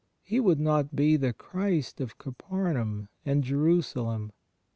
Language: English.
He would not be the Christ of Caphamaum and Jerusalem.